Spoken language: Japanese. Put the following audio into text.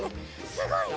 すごいね。